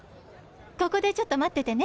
ここでちょっと待っててね。